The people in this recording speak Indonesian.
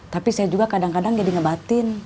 tapi saya juga kadang kadang jadi ngebatin